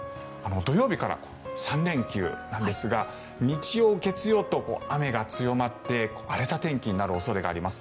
土曜日から３連休なんですが日曜、月曜と雨が強まって荒れた天気になる恐れがあります。